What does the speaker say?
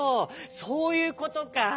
そういうことか。